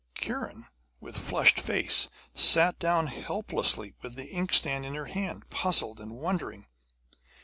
Kiran, with flushed face, sat down helplessly with the inkstand in her hand, puzzled and wondering.